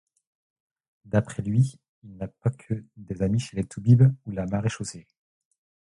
D'après lui, il n'a pas que des amis chez les toubibs ou la maréchaussée.